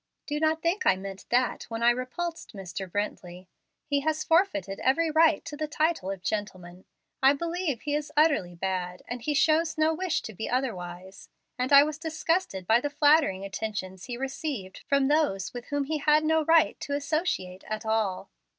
Do not think I meant that when I repulsed Mr. Brently. He has forfeited every right to the title of gentleman. I believe he is utterly bad, and he shows no wish to be otherwise; and I was disgusted by the flattering attentions he received from those with whom he had no right to associate at all.